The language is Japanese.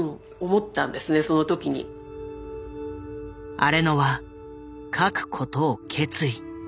荒野は書くことを決意。